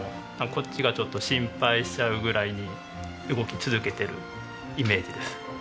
こっちがちょっと心配しちゃうぐらいに動き続けているイメージです。